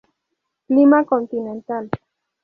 Clima continental.